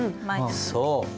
そう。